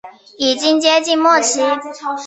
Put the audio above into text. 已经接近末期